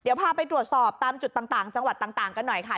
เดี๋ยวพาไปตรวจสอบตามจุดต่างจังหวัดต่างกันหน่อยค่ะ